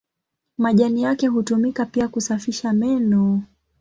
Majani yake hutumika pia kusafisha meno.